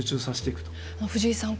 藤井さん